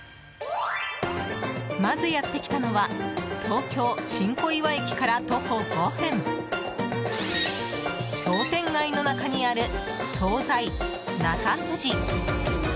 まずやってきたのは東京・新小岩駅から徒歩５分、商店街の中にある惣菜なかふじ。